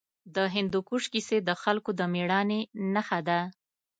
د هندوکش کیسې د خلکو د مېړانې نښه ده.